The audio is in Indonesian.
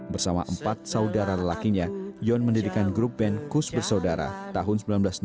bersama empat saudara lelakinya yon mendirikan grup band kus bersaudara tahun seribu sembilan ratus enam puluh